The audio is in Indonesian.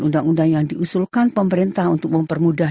undang undang yang diusulkan pemerintah untuk mempermudah